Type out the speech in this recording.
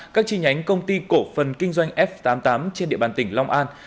các chi nhánh công ty cổ phần kinh doanh f tám mươi tám trên địa bàn tỉnh long an